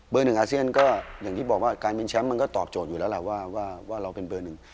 หนึ่งอาเซียนก็อย่างที่บอกว่าการเป็นแชมป์มันก็ตอบโจทย์อยู่แล้วแหละว่าเราเป็นเบอร์หนึ่ง